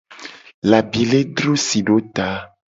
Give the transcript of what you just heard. Labile dro si do ta.